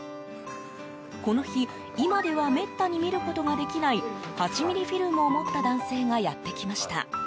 この日、今ではめったに見ることができない８ｍｍフィルムを持った男性がやってきました。